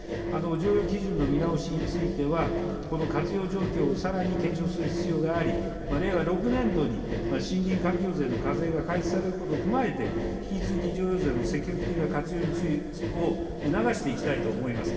譲与基準の見直しについては、この活用状況をさらに検証する必要があり、令和６年度に森林環境税の課税が開始されることを踏まえて、引き続き、譲与税の積極的な活用を促していきたいと思います。